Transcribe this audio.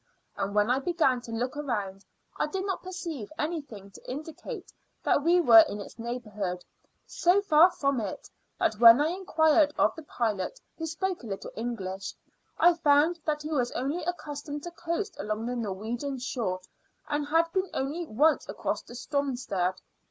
And when I began to look around, I did not perceive anything to indicate that we were in its neighbourhood. So far from it, that when I inquired of the pilot, who spoke a little English, I found that he was only accustomed to coast along the Norwegian shore; and had been only once across to Stromstad.